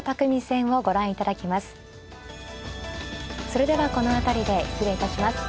それではこの辺りで失礼いたします。